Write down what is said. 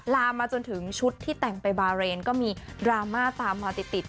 ลามมาจนถึงชุดที่แต่งไปบาเรนก็มีดราม่าตามมาติด